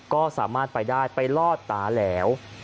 ก็สามารถไปได้ไปลอดตาแหลว